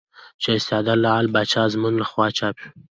چې استاد لعل پاچا ازمون له خوا چاپ